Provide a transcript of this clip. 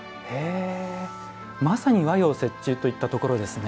まさに和洋折衷といったところですね。